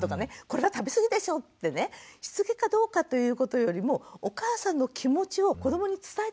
「これは食べ過ぎでしょ」ってねしつけかどうかということよりもお母さんの気持ちを子どもに伝えていいと思うんですよ。